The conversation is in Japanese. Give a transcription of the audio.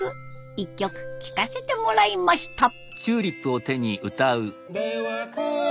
一曲聴かせてもらいました。